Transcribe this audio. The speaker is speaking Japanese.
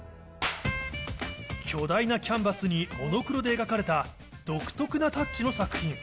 巨大なキャンバスにモノクロで描かれた独特なタッチの作品。